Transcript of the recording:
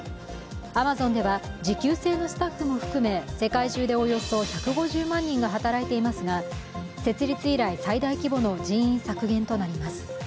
アマゾンでは時給制のスタッフも含め世界中でおよそ１５０万人が働いていますが設立以来最大規模の人員削減となります。